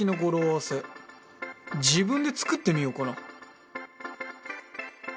合わせ自分で作ってみようかな